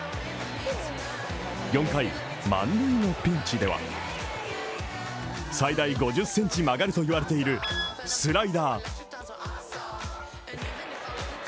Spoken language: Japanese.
４回、満塁のピンチでは最大５０ｃｍ曲がると言われているスライダー。